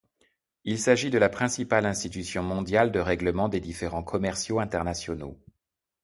Il s'agit de la principale institution mondiale de règlement des différends commerciaux internationaux.